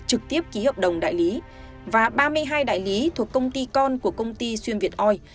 trực tiếp ký hợp đồng đại lý và ba mươi hai đại lý thuộc công ty con của công ty xuyên việt oi